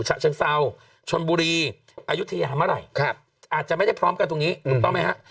ชนบุรีอายุเทียมอะไรอาจจะไม่ได้พร้อมกันตรงนี้เหมือนกับมันไม่ฮะ